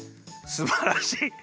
すばらしい。